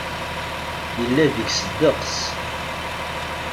Yella deg-s ddeqs.